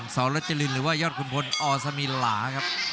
สรรจรินหรือว่ายอดขุนพลอสมีลหลาครับ